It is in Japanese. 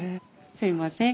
すいません。